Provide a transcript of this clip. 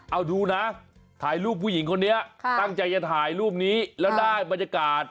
เอาดูนะถ่ายรูปผู้หญิงคนนี้ตั้งใจจะถ่ายรูปนี้แล้วได้บรรยากาศ